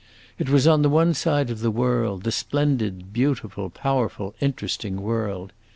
It was on the one side the world, the splendid, beautiful, powerful, interesting world.